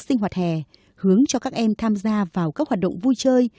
sinh hoạt hè hướng cho các em tham gia vào các hoạt động vui chơi